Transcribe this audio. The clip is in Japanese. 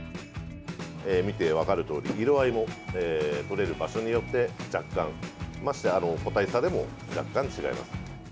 見て分かるとおり、色合いもとれる場所によって若干ましてや個体差でも若干違います。